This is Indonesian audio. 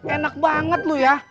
enak banget lu ya